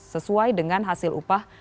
sesuai dengan hasil upah